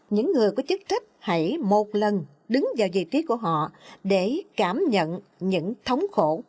những người có chức trách hãy một lần đứng vào vị trí của họ để cảm nhận những thống khổ